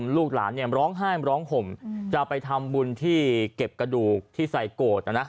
ลูกหลานร้องห้ายร้องห่มจะไปทำบุญที่เก็บกระดูกที่ใส่โกดนะ